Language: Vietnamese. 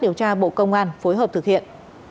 điều tra bộ công an phối hợp thực hiện